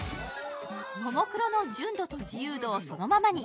ももクロの純度と自由度をそのままに。